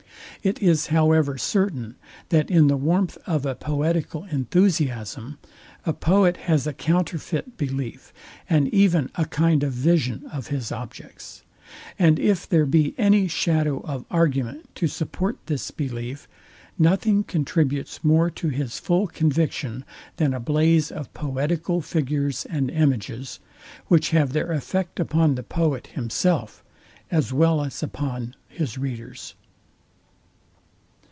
It is however certain, that in the warmth of a poetical enthusiasm, a poet has a counterfeit belief, and even a kind of vision of his objects: And if there be any shadow of argument to support this belief, nothing contributes more to his full conviction than a blaze of poetical figures and images, which have their effect upon the poet himself, as well as upon his readers.